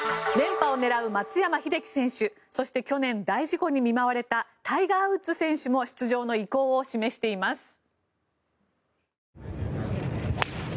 連覇を狙う松山英樹選手そして去年、大事故に見舞われたタイガー・ウッズ選手も出場の意向を示しています。